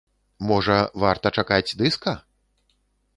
Можа, варта чакаць дыска?